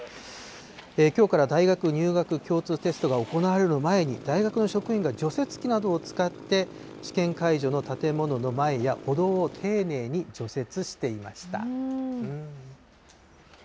きょうから大学入学共通テストが行われる前に、大学の職員が除雪機などを使って、試験会場の建物の前や歩道を丁寧に除雪していました。